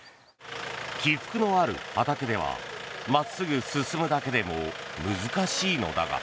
起伏のある畑では真っすぐ進むだけでも難しいのだが。